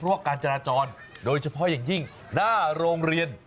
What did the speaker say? เพราะว่าการจราจรโดยเฉพาะอย่างยิ่งหน้าโรงเรียน